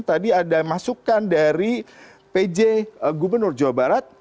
tadi ada masukan dari pj gubernur jawa barat